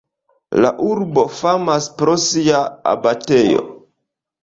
La urbo famas pro sia abatejo.